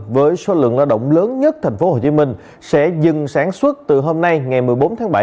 với số lượng lao động lớn nhất tp hcm sẽ dừng sản xuất từ hôm nay ngày một mươi bốn tháng bảy